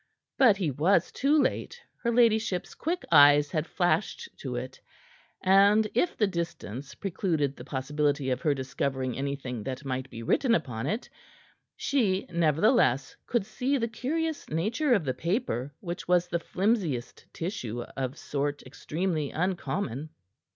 But he was too late. Her ladyship's quick eyes had flashed to it, and if the distance precluded the possibility of her discovering anything that might be written upon it, she, nevertheless, could see the curious nature of the paper, which was of the flimsiest tissue of a sort extremely uncommon.